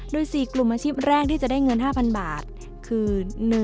โดย๔กลุ่มอาชีพแรกที่จะได้เงิน๕๐๐บาทคือ